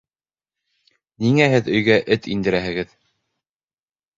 Ниңә һеҙ өйгә эт индерәһегеҙ?